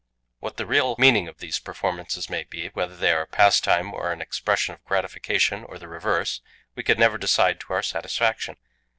What the real meaning of these performances may be, whether they are a pastime, or an expression of gratification or the reverse, we could never decide to our satisfaction.